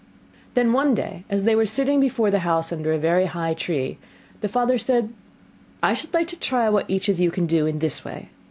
Then, one day, as they were sitting before the house under a very high tree, the father said, 'I should like to try what each of you can do in this way.